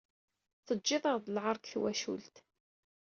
Teǧǧiḍ-aɣ-d lɛar deg twacult.